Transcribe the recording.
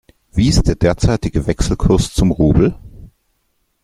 Wie ist der derzeitige Wechselkurs zum Rubel?